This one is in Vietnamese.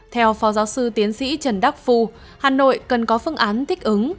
theo phó giáo sư tiến sĩ trần đắc phu hà nội cần có phương án thích ứng